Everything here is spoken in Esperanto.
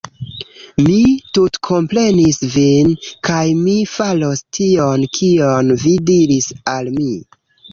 Mi tutkomprenis vin, kaj mi faros tion kion vi diris al mi